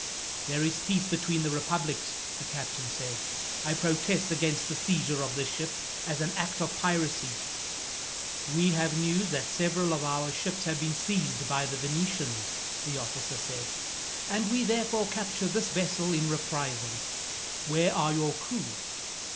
"There is peace between the republics," the captain said. "I protest against the seizure of this ship, as an act of piracy." "We have news that several of our ships have been seized by the Venetians," the officer said; "and we therefore capture this vessel in reprisal. Where are your crew?"